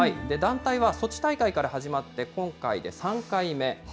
団体はソチ大会から始まって今回で３回目。